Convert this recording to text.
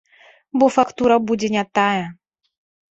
Бо фактура будзе не тая.